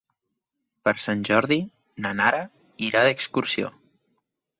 Per Sant Jordi na Nara irà d'excursió.